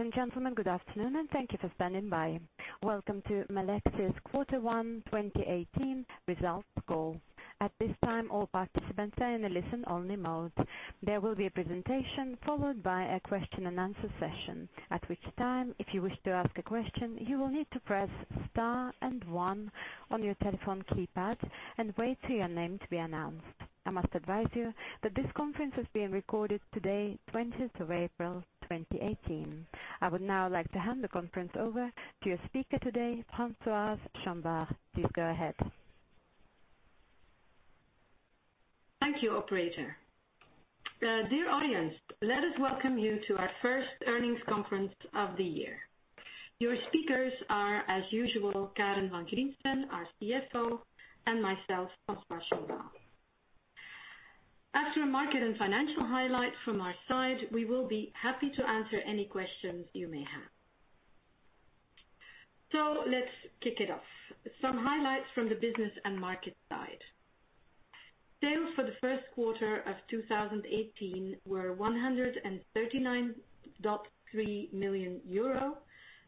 Ladies and gentlemen, good afternoon and thank you for standing by. Welcome to Melexis Q1 2018 results call. At this time, all participants are in a listen-only mode. There will be a presentation followed by a question and answer session, at which time if you wish to ask a question, you will need to press star 1 on your telephone keypad and wait for your name to be announced. I must advise you that this conference is being recorded today, 20th of April 2018. I would now like to hand the conference over to your speaker today, Françoise Chombar. Please go ahead. Thank you, operator. Dear audience, let us welcome you to our first earnings conference of the year. Your speakers are, as usual, Karen Van Griensven, our CFO, and myself, Françoise Chombar. After a market and financial highlight from our side, we will be happy to answer any questions you may have. Let's kick it off. Some highlights from the business and market side. Sales for Q1 2018 were 139.3 million euro,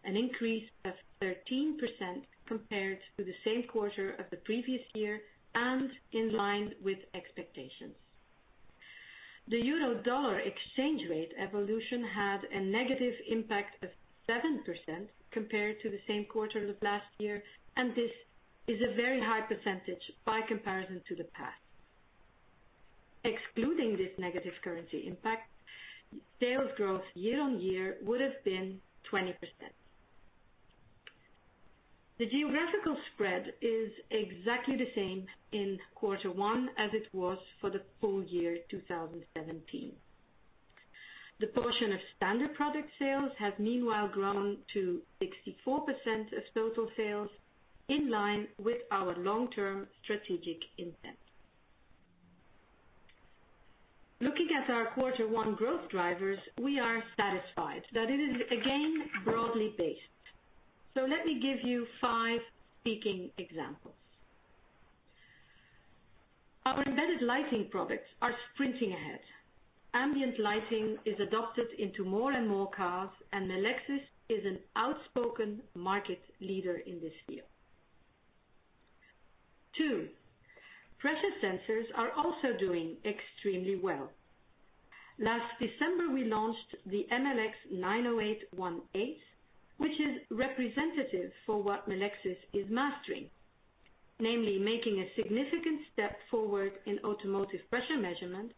an increase of 13% compared to the same quarter of the previous year and in line with expectations. The euro dollar exchange rate evolution had a negative impact of 7% compared to the same quarter of last year, and this is a very high percentage by comparison to the past. Excluding this negative currency impact, sales growth year-on-year would've been 20%. The geographical spread is exactly the same in Q1 as it was for the full year 2017. The portion of standard product sales has meanwhile grown to 64% of total sales, in line with our long-term strategic intent. Looking at our Q1 growth drivers, we are satisfied that it is again broadly based. Let me give you five peaking examples. Our embedded lighting products are sprinting ahead. Ambient lighting is adopted into more and more cars, and Melexis is an outspoken market leader in this field. Two, pressure sensors are also doing extremely well. Last December, we launched the MLX90818, which is representative for what Melexis is mastering. Namely, making a significant step forward in automotive pressure measurement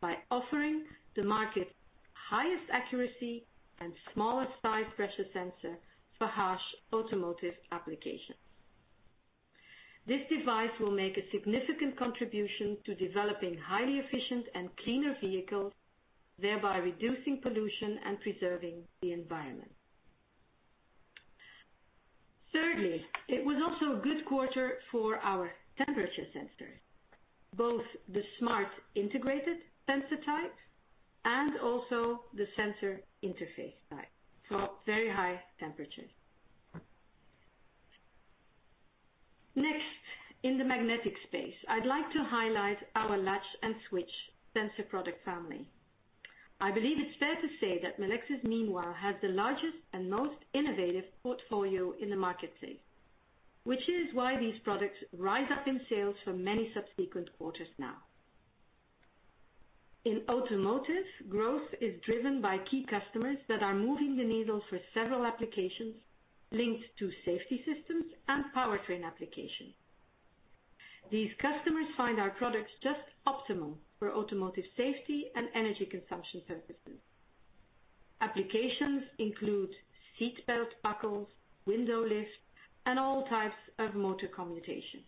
by offering the market highest accuracy and smallest size pressure sensor for harsh automotive applications. This device will make a significant contribution to developing highly efficient and cleaner vehicles, thereby reducing pollution and preserving the environment. Thirdly, it was also a good quarter for our temperature sensors, both the smart integrated sensor type and also the sensor interface type for very high temperatures. Next, in the magnetic space, I'd like to highlight our latch and switch sensor product family. I believe it's fair to say that Melexis meanwhile has the largest and most innovative portfolio in the marketplace, which is why these products rise up in sales for many subsequent quarters now. In automotive, growth is driven by key customers that are moving the needle for several applications linked to safety systems and powertrain application. These customers find our products just optimum for automotive safety and energy consumption purposes. Applications include seat belt buckles, window lifts, and all types of motor commutation.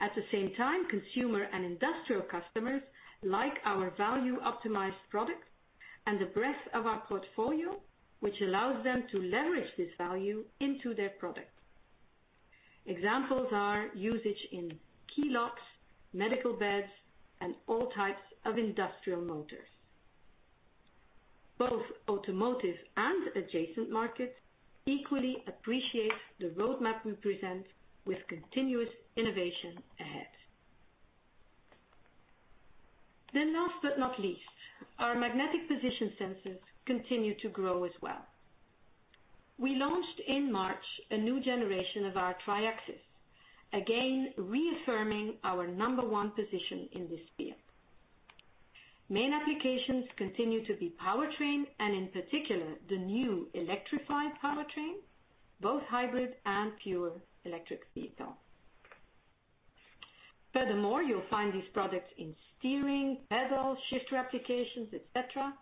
At the same time, consumer and industrial customers like our value optimized products and the breadth of our portfolio, which allows them to leverage this value into their product. Examples are usage in key locks, medical beds, and all types of industrial motors. Both automotive and adjacent markets equally appreciate the roadmap we present with continuous innovation ahead. Last but not least, our magnetic position sensors continue to grow as well. We launched in March a new generation of our Triaxis, again, reaffirming our number one position in this field. Main applications continue to be powertrain and in particular, the new electrified powertrain, both hybrid and pure electric vehicles. Furthermore, you'll find these products in steering, pedal, shifter applications, et cetera.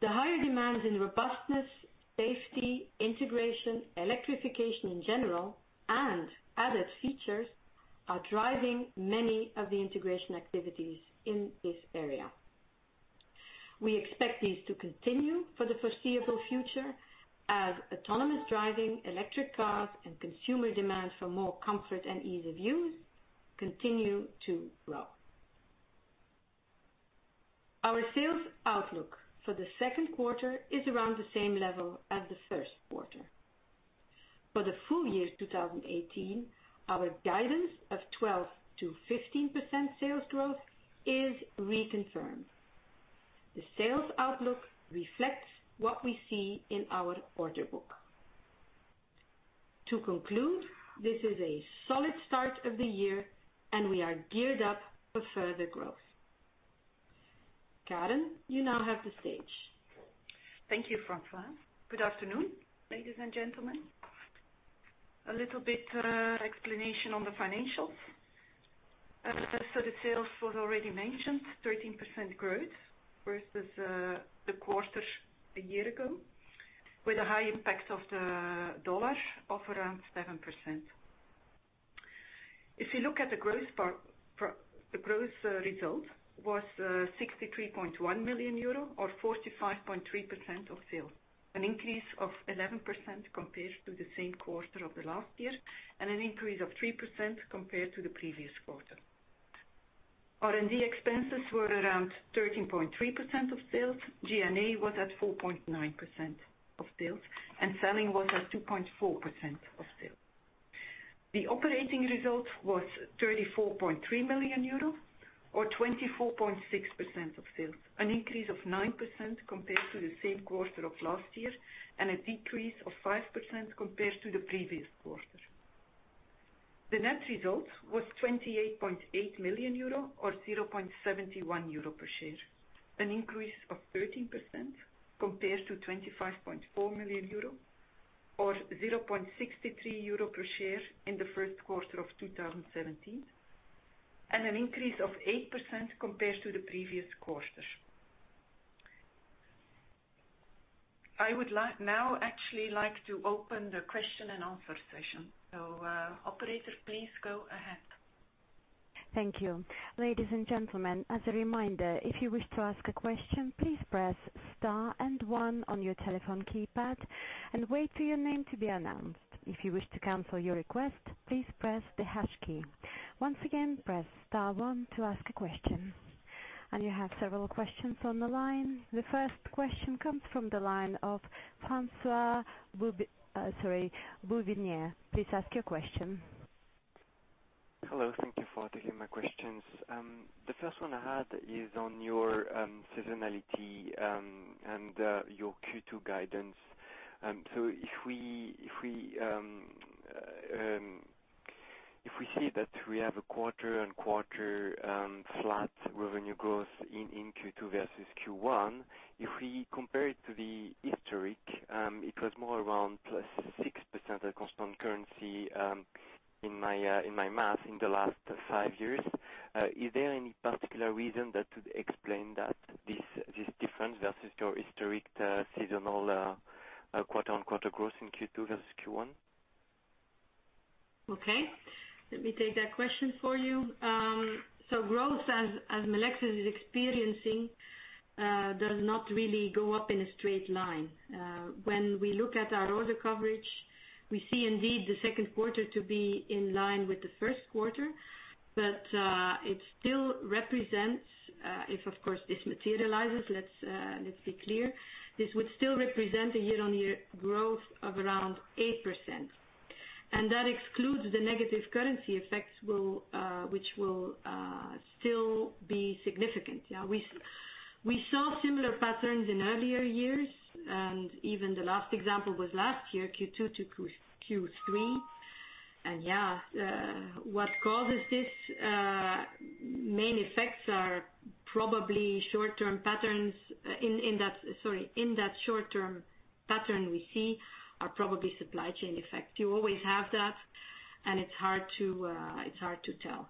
The higher demands in robustness, safety, integration, electrification in general, and added features are driving many of the integration activities in this area. We expect these to continue for the foreseeable future as autonomous driving, electric cars, and consumer demands for more comfort and ease of use continue to grow. Our sales outlook for the second quarter is around the same level as the first quarter. For the full year 2018, our guidance of 12%-15% sales growth is reconfirmed. The sales outlook reflects what we see in our order book. To conclude, this is a solid start of the year and we are geared up for further growth. Karen, you now have the stage. Thank you, Françoise. Good afternoon, ladies and gentlemen. A little bit of explanation on the financials. The sales was already mentioned, 13% growth versus the quarter a year ago, with a high impact of the U.S. dollar of around 7%. If you look at the gross result, was 63.1 million euro or 45.3% of sales. An increase of 11% compared to the same quarter of the last year, and an increase of 3% compared to the previous quarter. R&D expenses were around 13.3% of sales. G&A was at 4.9% of sales, and selling was at 2.4% of sales. The operating result was 34.3 million euro, or 24.6% of sales, an increase of 9% compared to the same quarter of last year, and a decrease of 5% compared to the previous quarter. The net result was 28.8 million euro or 0.71 euro per share, an increase of 13% compared to 25.4 million euro or 0.63 euro per share in the first quarter of 2017, and an increase of 8% compared to the previous quarter. I would now actually like to open the question and answer session. Operator, please go ahead. Thank you. Ladies and gentlemen, as a reminder, if you wish to ask a question, please press star and one on your telephone keypad and wait for your name to be announced. If you wish to cancel your request, please press the hash key. Once again, press star one to ask a question. You have several questions on the line. The first question comes from the line of François, sorry, Bouvignies. Please ask your question. Hello. Thank you for taking my questions. The first one I had is on your seasonality, and your Q2 guidance. If we see that we have a quarter-on-quarter flat revenue growth in Q2 versus Q1, if we compare it to the historic, it was more around +6% at constant currency, in my math in the last five years. Is there any particular reason that would explain that, this difference versus your historic, seasonal, quarter-on-quarter growth in Q2 versus Q1? Okay. Let me take that question for you. Growth as Melexis is experiencing, does not really go up in a straight line. When we look at our order coverage, we see indeed the second quarter to be in line with the first quarter. It still represents, if of course this materializes, let's be clear, this would still represent a year-on-year growth of around 8%. That excludes the negative currency effects which will still be significant. We saw similar patterns in earlier years, even the last example was last year, Q2 to Q3. Yeah. What causes this, main effects are probably short-term patterns in that short-term pattern we see are probably supply chain effect. You always have that, and it's hard to tell.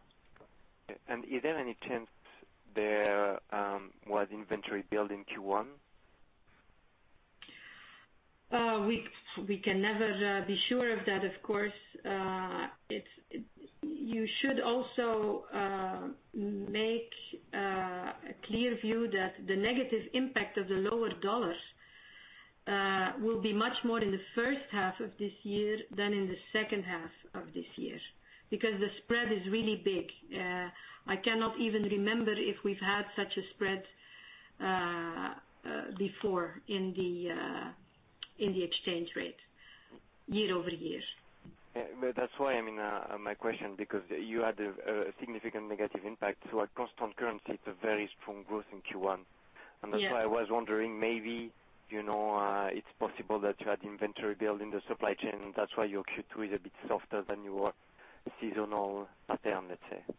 Is there any chance there was inventory build in Q1? We can never be sure of that, of course. You should also make a clear view that the negative impact of the lower dollar will be much more in the first half of this year than in the second half of this year, because the spread is really big. I cannot even remember if we've had such a spread before in the exchange rate year-over-year. Yeah. That's why, my question, because you had a significant negative impact to our constant currency. It's a very strong growth in Q1. Yeah. That's why I was wondering, maybe, it's possible that you had inventory build in the supply chain, and that's why your Q2 is a bit softer than your seasonal pattern, let's say.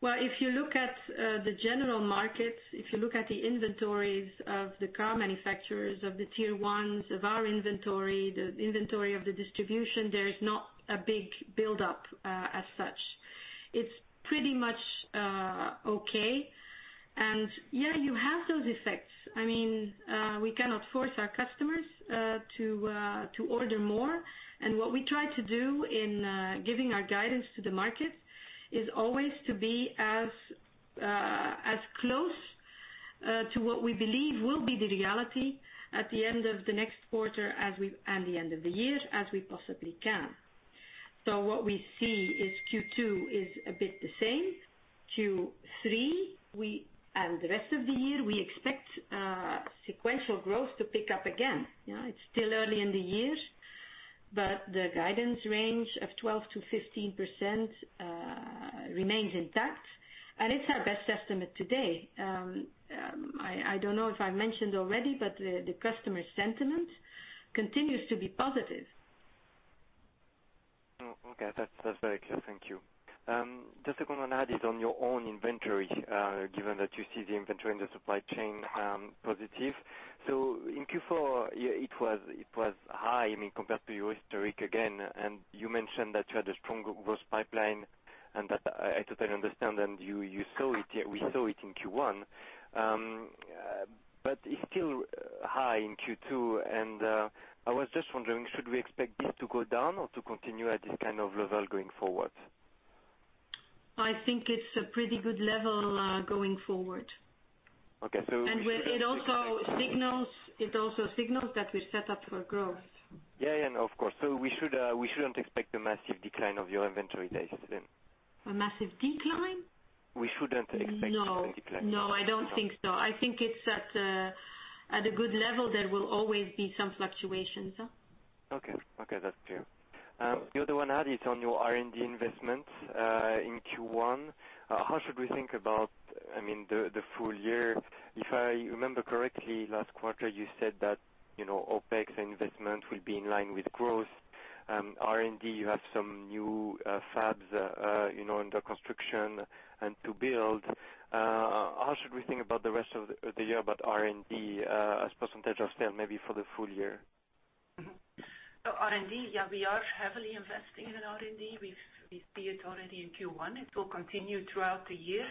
Well, if you look at the general market, if you look at the inventories of the car manufacturers of the tier 1s of our inventory, the inventory of the distribution, there is not a big buildup as such. It's pretty much okay. Yeah, you have those effects. We cannot force our customers to order more. What we try to do in giving our guidance to the market is always to be as close to what we believe will be the reality at the end of the next quarter and the end of the year as we possibly can. What we see is Q2 is a bit the same. Q3 and the rest of the year, we expect sequential growth to pick up again. It's still early in the year, the guidance range of 12%-15% remains intact, and it's our best estimate today. I don't know if I mentioned already, the customer sentiment continues to be positive. Okay. That's very clear. Thank you. Just a quick one added on your own inventory, given that you see the inventory in the supply chain positive. In Q4, it was high compared to your historic again, and you mentioned that you had a strong growth pipeline, and that I totally understand, and we saw it in Q1. It's still high in Q2, and I was just wondering, should we expect this to go down or to continue at this kind of level going forward? I think it's a pretty good level going forward. Okay. It also signals that we're set up for growth. Yeah. Of course. We shouldn't expect a massive decline of your inventory days, then. A massive decline? We shouldn't expect a massive decline. No, I don't think so. I think it's at a good level. There will always be some fluctuations. Okay. That's clear. The other one added on your R&D investments in Q1. How should we think about the full year? If I remember correctly, last quarter you said that OpEx investment will be in line with growth. R&D, you have some new fabs under construction and to build. How should we think about the rest of the year about R&D as percentage of sales, maybe for the full year? R&D, we are heavily investing in R&D. We see it already in Q1. It will continue throughout the year.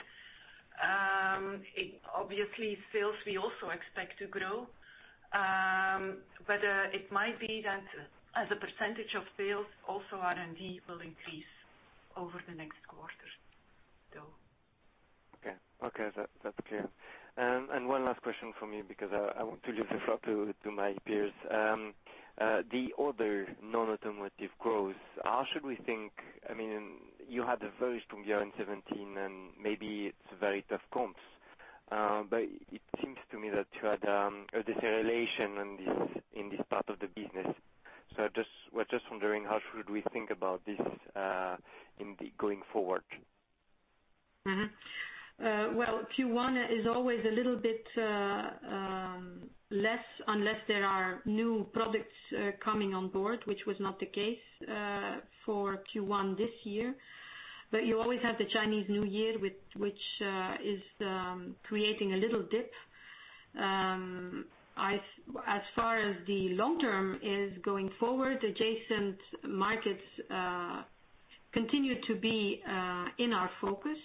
Obviously, sales we also expect to grow. It might be that as a percentage of sales, also R&D will increase over the next quarters though. Okay. That's clear. One last question from me, because I want to leave the floor to my peers. The other non-automotive growth, how should we think? You had a very strong year in 2017, and maybe it's very tough comps. It seems to me that you had a deceleration in this part of the business. Was just wondering, how should we think about this indeed going forward? Well, Q1 is always a little bit less unless there are new products coming on board, which was not the case for Q1 this year. You always have the Chinese New Year, which is creating a little dip. As far as the long term is going forward, adjacent markets continue to be in our focus.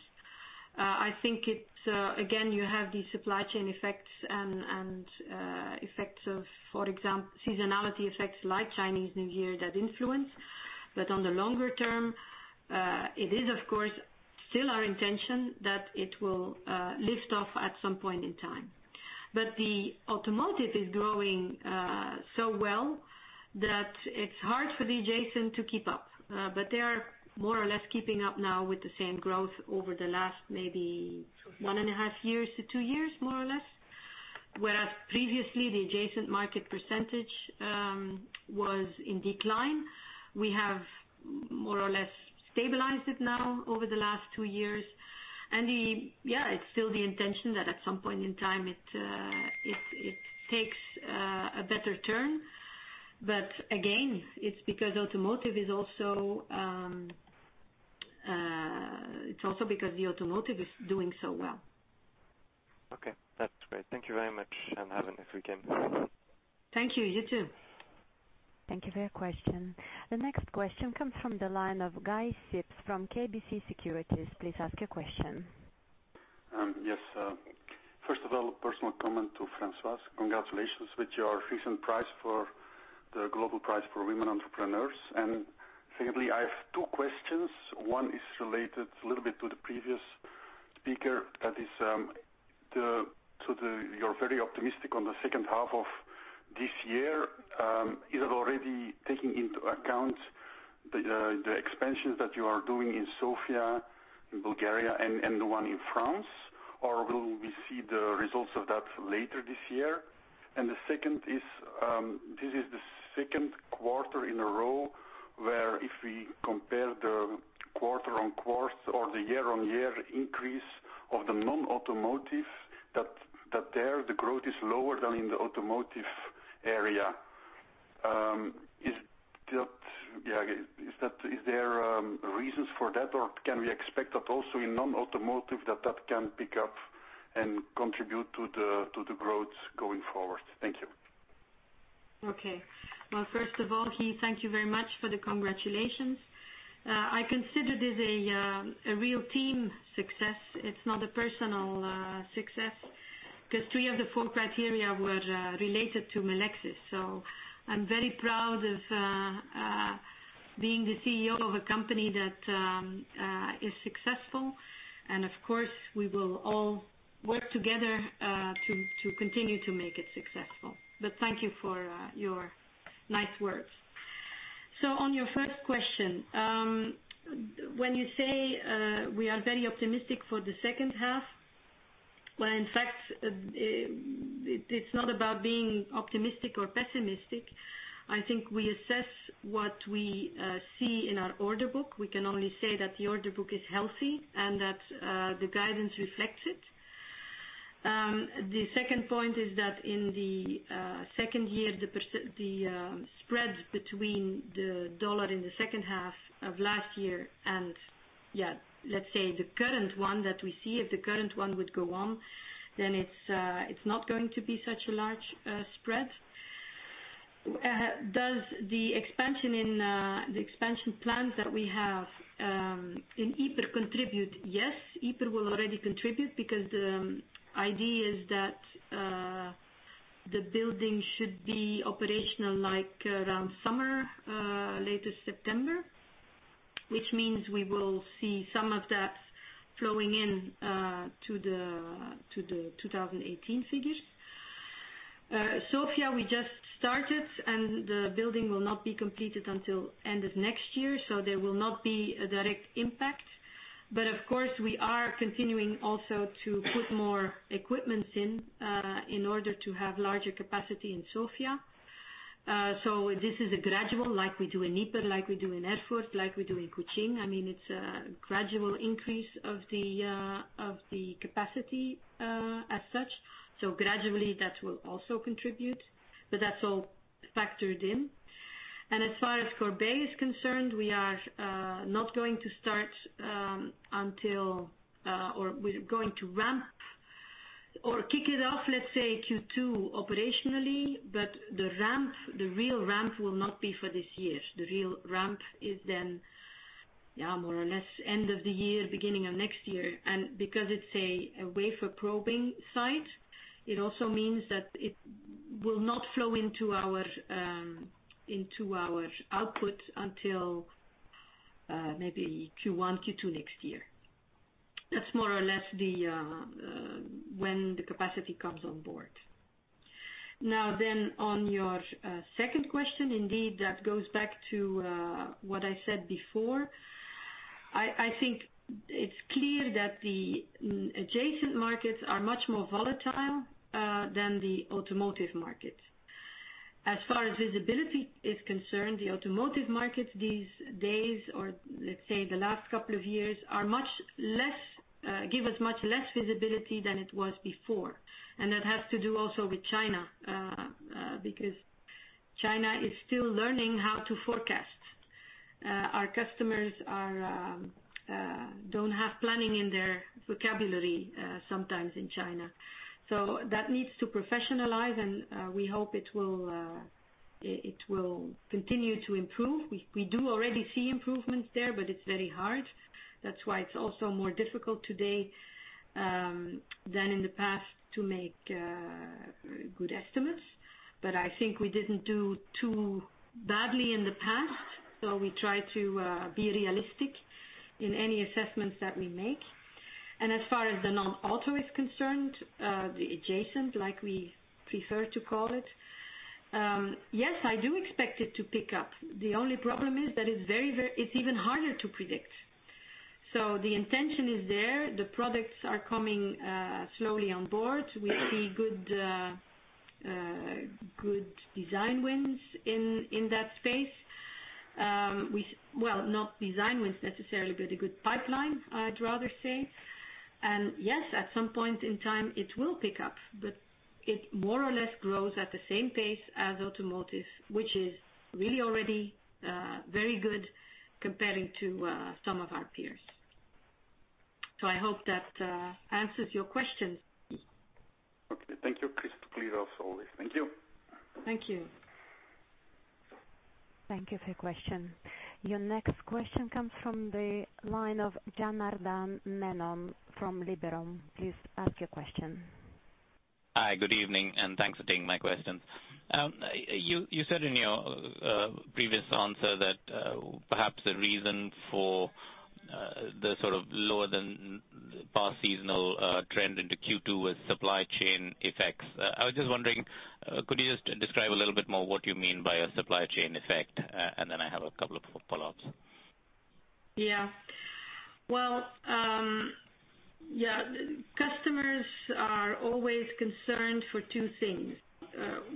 I think, again, you have these supply chain effects and seasonality effects like Chinese New Year that influence. On the longer term, it is of course still our intention that it will lift off at some point in time. The automotive is growing so well that it's hard for the adjacent to keep up. They are more or less keeping up now with the same growth over the last maybe one and a half years to two years, more or less. Whereas previously, the adjacent market percentage was in decline. We have more or less stabilized it now over the last two years. Yeah, it's still the intention that at some point in time it takes a better turn. Again, it's also because the automotive is doing so well. Okay. That's great. Thank you very much. Have a nice weekend. Thank you. You too. Thank you for your question. The next question comes from the line of Guy Sips from KBC Securities. Please ask your question. Yes. First of all, personal comment to Françoise. Congratulations with your recent prize for the Global Prize for Women Entrepreneurs. Secondly, I have two questions. One is related a little bit to the previous speaker. That is, you're very optimistic on the second half of this year. Is it already taking into account the expansions that you are doing in Sofia, in Bulgaria, and the one in France? Will we see the results of that later this year? The second is, this is the second quarter in a row where if we compare the quarter-on-quarter or the year-on-year increase of the non-automotive, that there the growth is lower than in the automotive area. Is there reasons for that or can we expect that also in non-automotive that can pick up and contribute to the growth going forward? Thank you. Well, first of all, Guy, thank you very much for the congratulations. I consider this a real team success. It's not a personal success because three of the four criteria were related to Melexis. I'm very proud of being the CEO of a company that is successful, and of course, we will all work together to continue to make it successful. Thank you for your nice words. On your first question, when you say we are very optimistic for the second half, when in fact it's not about being optimistic or pessimistic. I think we assess what we see in our order book. We can only say that the order book is healthy and that the guidance reflects it. The second point is that in the second year, the spreads between the USD in the second half of last year, and let's say the current one that we see. If the current one would go on, then it's not going to be such a large spread. Does the expansion plans that we have in Ypres contribute? Yes, Ypres will already contribute because the idea is that the building should be operational around summer, latest September, which means we will see some of that flowing in to the 2018 figures. Sofia, we just started, and the building will not be completed until end of next year, so there will not be a direct impact. Of course, we are continuing also to put more equipments in order to have larger capacity in Sofia. This is a gradual, like we do in Ypres, like we do in Erfurt, like we do in Kuching. It's a gradual increase of the capacity as such. Gradually that will also contribute. But that's all factored in. As far as Corbeil is concerned, we are not going to start until, or we're going to ramp or kick it off, let's say Q2 operationally. The real ramp will not be for this year. The real ramp is then more or less end of the year, beginning of next year. Because it's a wafer probing site, it also means that it will not flow into our output until maybe Q1, Q2 next year. That's more or less when the capacity comes on board. On your second question, indeed, that goes back to what I said before. I think it's clear that the adjacent markets are much more volatile than the automotive markets. As far as visibility is concerned, the automotive markets these days, or let's say the last couple of years, give us much less visibility than it was before. That has to do also with China, because China is still learning how to forecast. Our customers don't have planning in their vocabulary sometimes in China. That needs to professionalize, and we hope it will continue to improve. We do already see improvements there, but it's very hard. That's why it's also more difficult today than in the past to make good estimates. I think we didn't do too badly in the past, so we try to be realistic in any assessments that we make. As far as the non-auto is concerned, the adjacent, like we prefer to call it, yes, I do expect it to pick up. The only problem is that it's even harder to predict. The intention is there. The products are coming slowly on board. We see good design wins in that space. Well, not design wins necessarily, but a good pipeline, I'd rather say. Yes, at some point in time it will pick up, but it more or less grows at the same pace as automotive, which is really already very good comparing to some of our peers. I hope that answers your questions. Okay. Thank you. Chris, please also hold. Thank you. Thank you. Thank you for your question. Your next question comes from the line of Janardan Menon from Liberum. Please ask your question. Hi, good evening, thanks for taking my questions. You said in your previous answer that perhaps the reason for the sort of lower than past seasonal trend into Q2 was supply chain effects. I was just wondering, could you just describe a little bit more what you mean by a supply chain effect? Then I have a couple of follow-ups. Well, customers are always concerned for two things.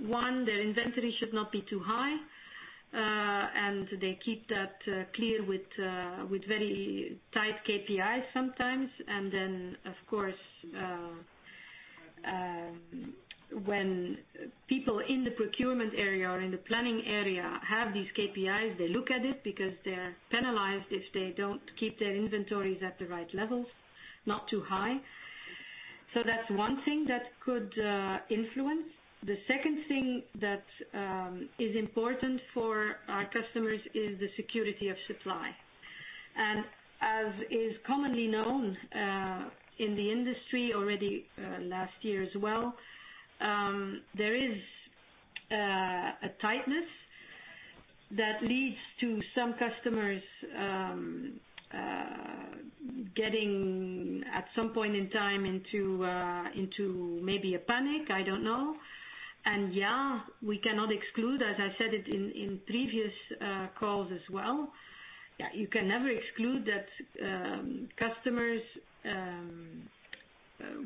One, their inventory should not be too high, and they keep that clear with very tight KPIs sometimes. Then, of course, when people in the procurement area or in the planning area have these KPIs, they look at it because they're penalized if they don't keep their inventories at the right levels, not too high. That's one thing that could influence. The second thing that is important for our customers is the security of supply. As is commonly known in the industry already last year as well, there is a tightness that leads to some customers getting at some point in time into maybe a panic, I don't know. We cannot exclude, as I said it in previous calls as well, you can never exclude that customers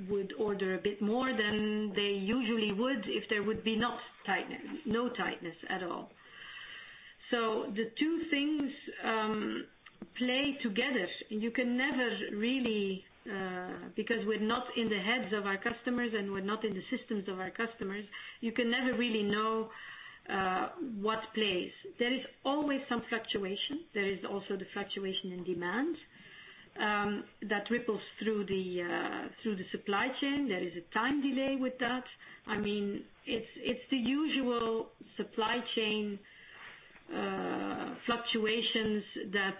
would order a bit more than they usually would if there would be no tightness at all. The two things play together. We're not in the heads of our customers, and we're not in the systems of our customers, you can never really know what plays. There is always some fluctuation. There is also the fluctuation in demand that ripples through the supply chain. There is a time delay with that. It's the usual supply chain fluctuations that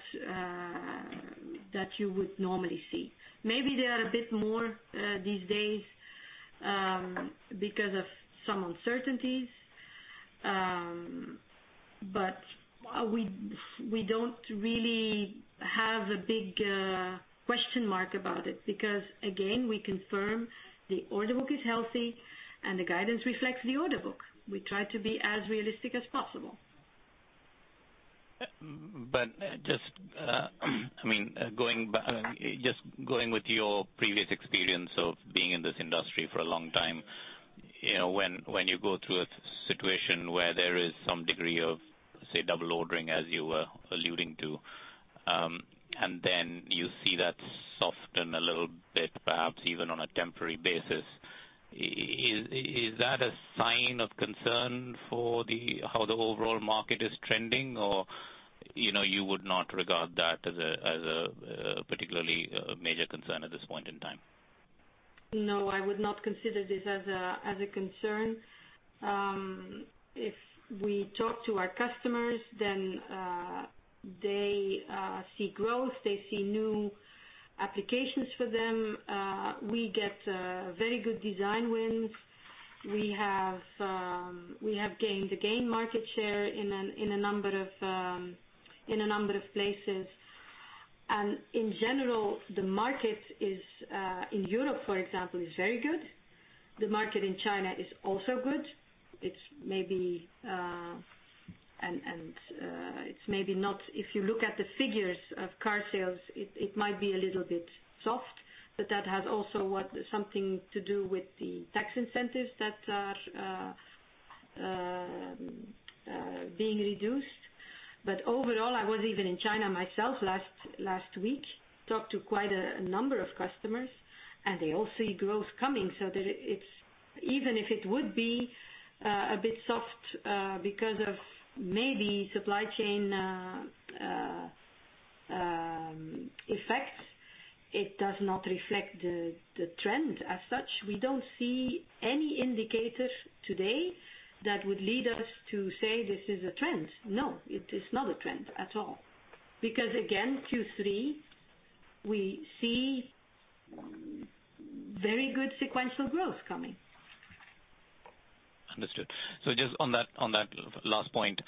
you would normally see. Maybe they are a bit more these days because of some uncertainties. We don't really have a big question mark about it, because again, we confirm the order book is healthy and the guidance reflects the order book. We try to be as realistic as possible. Just going with your previous experience of being in this industry for a long time, when you go through a situation where there is some degree of, say, double ordering, as you were alluding to, then you see that soften a little bit, perhaps even on a temporary basis, is that a sign of concern for how the overall market is trending? You would not regard that as a particularly major concern at this point in time? No, I would not consider this as a concern. If we talk to our customers, then they see growth, they see new applications for them. We get very good design wins. We have gained market share in a number of places, and in general, the market in Europe, for example, is very good. The market in China is also good. If you look at the figures of car sales, it might be a little bit soft, but that has also something to do with the tax incentives that are being reduced. Overall, I was even in China myself last week, talked to quite a number of customers, and they all see growth coming. Even if it would be a bit soft because of maybe supply chain effects, it does not reflect the trend as such. We don't see any indicator today that would lead us to say this is a trend. No, it is not a trend at all. Again, Q3, we see very good sequential growth coming. Understood. Just on that last point,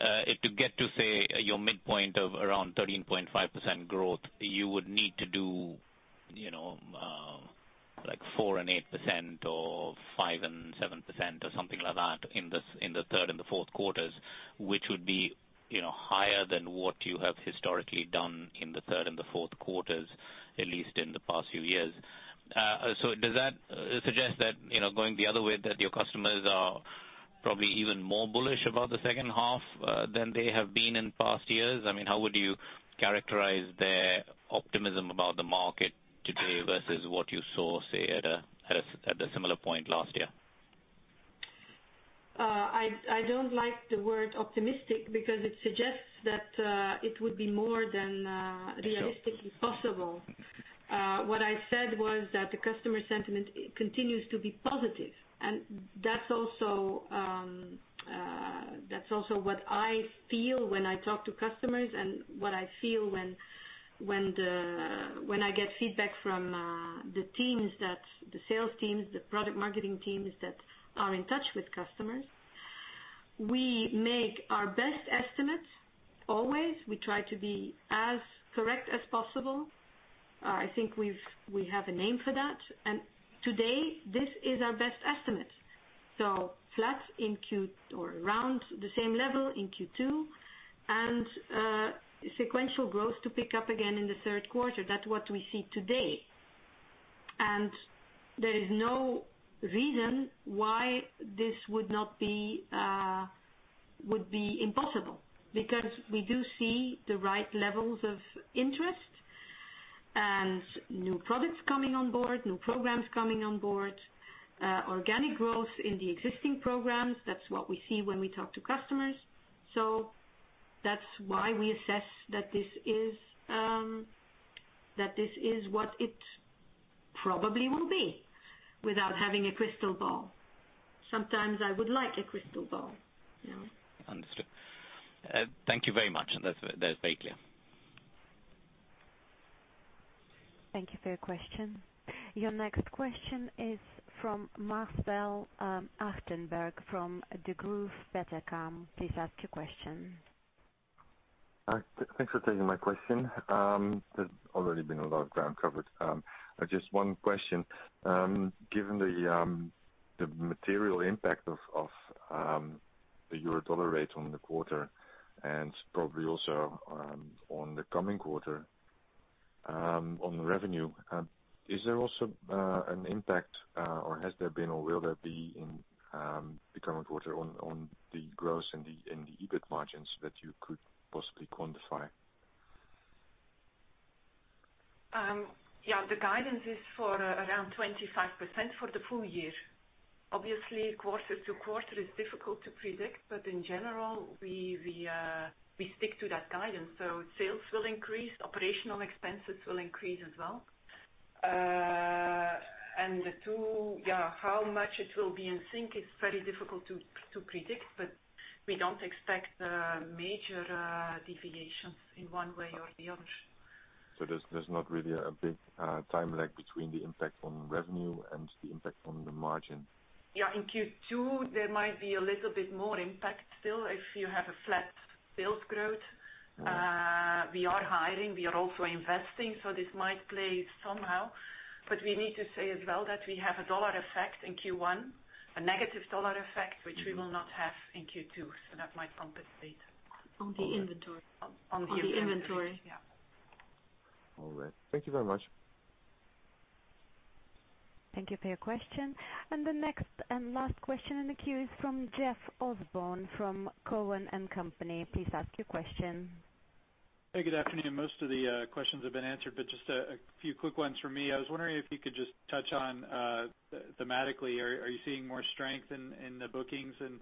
if to get to, say, your midpoint of around 13.5% growth, you would need to do 4% and 8% or 5% and 7% or something like that in the third and the fourth quarters, which would be higher than what you have historically done in the third and the fourth quarters, at least in the past few years. Does that suggest that, going the other way, that your customers are probably even more bullish about the second half than they have been in past years? How would you characterize their optimism about the market today versus what you saw, say, at a similar point last year? I don't like the word optimistic because it suggests that it would be more than realistically possible. What I said was that the customer sentiment continues to be positive, and that's also what I feel when I talk to customers and what I feel when I get feedback from the teams, the sales teams, the product marketing teams that are in touch with customers. We make our best estimates always. We try to be as correct as possible. I think we have a name for that. Today, this is our best estimate. Flat or around the same level in Q2, and sequential growth to pick up again in the third quarter. That's what we see today. There is no reason why this would be impossible, because we do see the right levels of interest and new products coming on board, new programs coming on board, organic growth in the existing programs. That's what we see when we talk to customers. That's why we assess that this is what it probably will be without having a crystal ball. Sometimes I would like a crystal ball. Understood. Thank you very much. That's very clear. Thank you for your question. Your next question is from Marcel Achterberg from Degroof Petercam. Please ask your question. Thanks for taking my question. There's already been a lot of ground covered. Just one question. Given the material impact of the euro-dollar rate on the quarter and probably also on the coming quarter on revenue, is there also an impact, or has there been, or will there be in the current quarter on the gross and the EBIT margins that you could possibly quantify? The guidance is for around 25% for the full year. Obviously, quarter to quarter is difficult to predict, but in general, we stick to that guidance. Sales will increase, operational expenses will increase as well. How much it will be in sync is very difficult to predict, but we don't expect major deviations in one way or the other. There's not really a big time lag between the impact on revenue and the impact on the margin. Yeah. In Q2, there might be a little bit more impact still if you have a flat sales growth. Right. We are hiring, we are also investing, so this might play somehow, but we need to say as well that we have a U.S. dollar effect in Q1, a negative U.S. dollar effect. Which we will not have in Q2, so that might compensate. On the inventory. On the inventory. On the inventory. Yeah. All right. Thank you very much. Thank you for your question. The next and last question in the queue is from Jeff Osborne from Cowen and Company. Please ask your question. Hey, good afternoon. Most of the questions have been answered, just a few quick ones from me. I was wondering if you could just touch on thematically, are you seeing more strength in the bookings and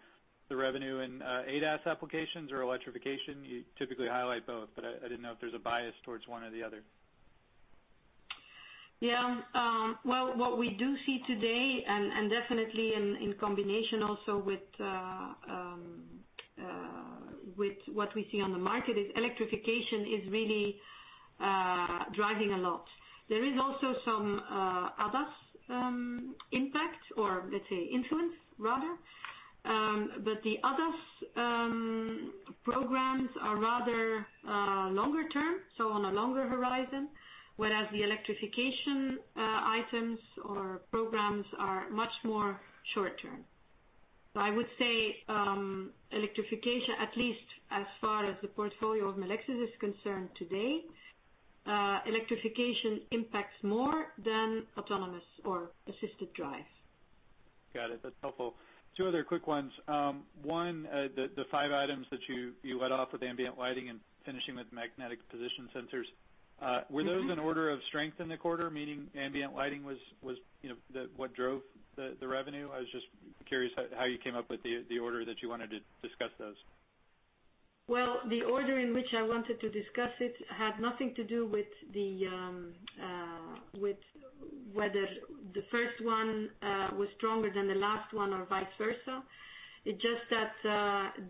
the revenue in ADAS applications or electrification? You typically highlight both, but I didn't know if there's a bias towards one or the other. Yeah. What we do see today, definitely in combination also with what we see on the market, is electrification is really driving a lot. There is also some ADAS impact, or let's say influence rather. The ADAS programs are rather longer term, so on a longer horizon, whereas the electrification items or programs are much more short term. I would say electrification, at least as far as the portfolio of Melexis is concerned today, electrification impacts more than autonomous or assisted drive. Got it. That's helpful. Two other quick ones. One, the five items that you led off with ambient lighting and finishing with magnetic position sensors- were those in order of strength in the quarter? Meaning ambient lighting was what drove the revenue? I was just curious how you came up with the order that you wanted to discuss those. Well, the order in which I wanted to discuss it had nothing to do with whether the first one was stronger than the last one or vice versa. It's just that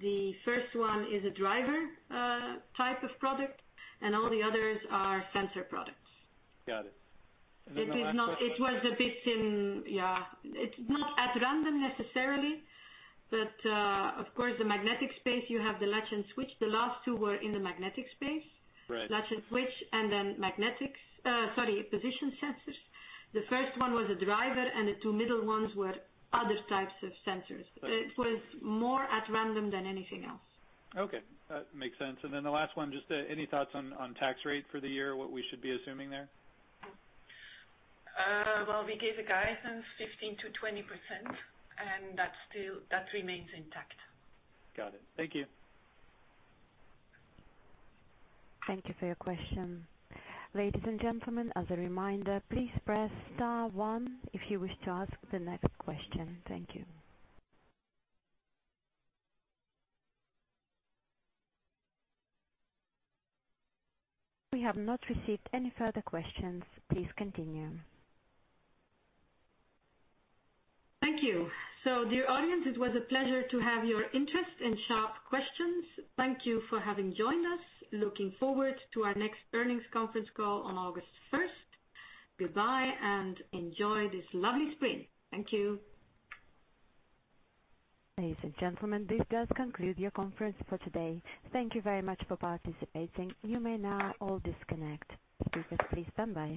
the first one is a driver type of product and all the others are sensor products. Got it. Then the last one. It was a bit in Yeah. It's not at random, necessarily, but, of course, the magnetic space, you have the latch and switch. The last two were in the magnetic space. Right. Latch and switch, and then magnetics, sorry, position sensors. The first one was a driver, and the two middle ones were other types of sensors. Right. It was more at random than anything else. Okay. That makes sense. The last one, just any thoughts on tax rate for the year? What we should be assuming there? Well, we gave a guidance, 15%-20%, and that remains intact. Got it. Thank you. Thank you for your question. Ladies and gentlemen, as a reminder, please press star one if you wish to ask the next question. Thank you. We have not received any further questions. Please continue. Thank you. Dear audience, it was a pleasure to have your interest and sharp questions. Thank you for having joined us. Looking forward to our next earnings conference call on August 1st. Goodbye, and enjoy this lovely spring. Thank you. Ladies and gentlemen, this does conclude your conference for today. Thank you very much for participating. You may now all disconnect. Speakers, please stand by.